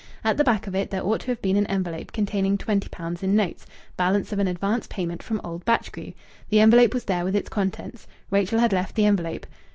At the back of it there ought to have been an envelope containing twenty pounds in notes, balance of an advance payment from old Batchgrew. The envelope was there with its contents. Rachel had left the envelope.